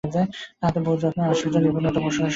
তাহাতে বহু যত্ন এবং আশ্চর্য নিপুণতা প্রকাশ করিলেন।